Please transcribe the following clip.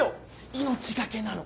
命懸けなの！